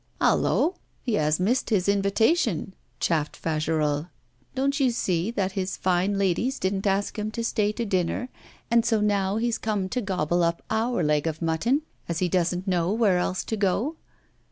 'Hallo! he has missed his invitation,' chaffed Fagerolles. 'Don't you see that his fine ladies didn't ask him to stay to dinner, and so now he's come to gobble up our leg of mutton, as he doesn't know where else to go?